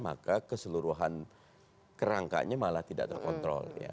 maka keseluruhan kerangkanya malah tidak terkontrol